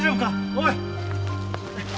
おい！